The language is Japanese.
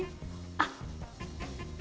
あっ。